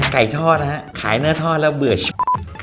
ไก่ทอดฮะขายเนื้อทอดแล้วเบื่อ